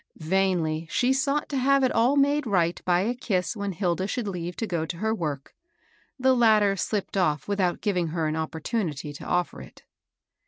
Vainly she sought to have it all made right by a kiss when Hilda should leave to go to her work ; the latter slipped off without giving her an opportunity to offer it.